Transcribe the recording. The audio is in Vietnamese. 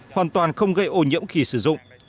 hoàn toàn không gây ô nhiễm khi sử dụng